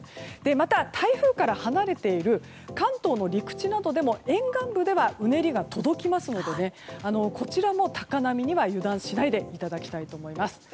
また、台風から離れている関東の陸地などでも沿岸部ではうねりが届きますのでこちらも高波には油断しないでいただきたいと思います。